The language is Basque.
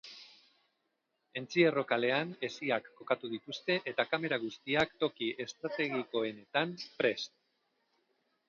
Entzierro kalean hesiak kokatu dituzte eta kamera guztiak toki estrategikoenetan prest.